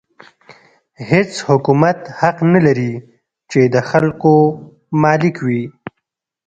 هېڅ حکومت حق نه لري چې د خلکو مالک وي.